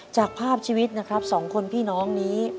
จากภาพชีวิตนะครับสองคนพี่น้องนี้